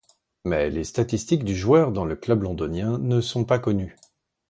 Mais les statistiques du joueur dans le club londonien ne sont pas connues.